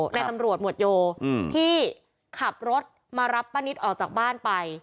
ในตำรวจหมวดโยที่ขับรถมารับป้านิตออกจากบ้านไป